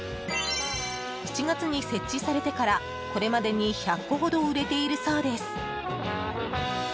７月に設置されてからこれまでに１００個ほど売れているそうです。